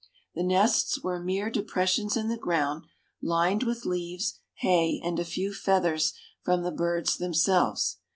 The nests were mere depressions in the ground, lined with leaves, hay, and a few feathers from the birds themselves.